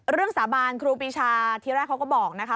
เรื่องสาบานครูปรีชาที่แรกเขาก็บอกนะคะ